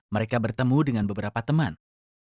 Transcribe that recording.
mereka bertemu dengan beberapa teman